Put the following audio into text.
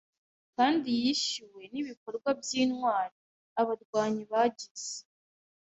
kandi yishyuwe nibikorwa byintwari Abarwanyi bagize